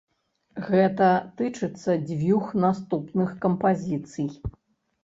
Гэта тычыцца дзвюх наступных кампазіцый.